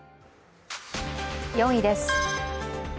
４位です。